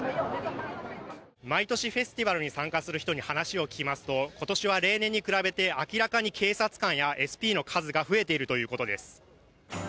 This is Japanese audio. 毎年フェスティバルに参加する人に話を聞きますと今年は例年に比べて明らかに警察官やＳＰの数が増えているということです。